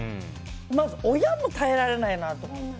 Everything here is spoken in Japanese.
まず親も耐えられないなと思って。